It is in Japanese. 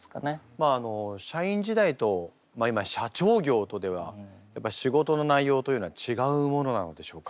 まああの社員時代と今社長業とではやっぱ仕事の内容というのは違うものなのでしょうか？